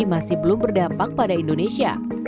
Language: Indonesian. masih belum berdampak pada indonesia